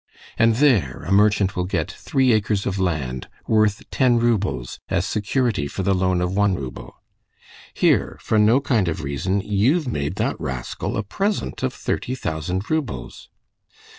And there a merchant will get three acres of land, worth ten roubles, as security for the loan of one rouble. Here, for no kind of reason, you've made that rascal a present of thirty thousand roubles."